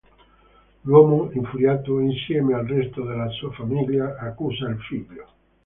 L'uomo infuriato, insieme al resto della sua famiglia, accusa il figlio.